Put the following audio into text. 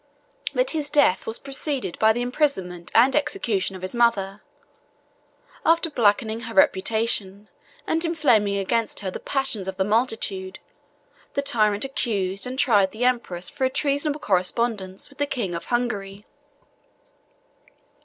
But his death was preceded by the imprisonment and execution of his mother. After blackening her reputation, and inflaming against her the passions of the multitude, the tyrant accused and tried the empress for a treasonable correspondence with the king of Hungary.